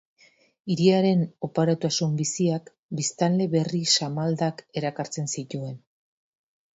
Hiriaren oparotasun biziak biztanle berri samaldak erakartzen zituen.